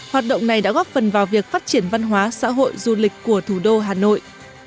hoạt động này đã góp phần vào việc phát triển văn hóa xã hội du lịch của thủ đô hà nội